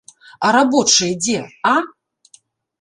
А рабочыя дзе, а?